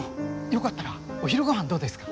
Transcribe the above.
よかったらお昼ごはんどうですか？